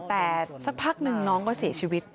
แต่สักพักหนึ่งน้องก็เสียชีวิต